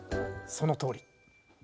そのとおり。